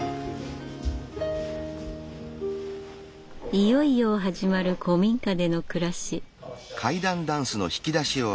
いよいよ始まる古民家での暮らし。